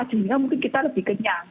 sehingga mungkin kita lebih kenyang